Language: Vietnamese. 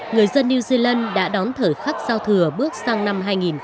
người dân new zealand đã đón thời khắc giao thừa bước sang năm hai nghìn một mươi chín